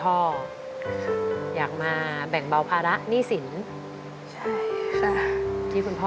รักลูกสาวขนาดไหนครับคุณพ่อ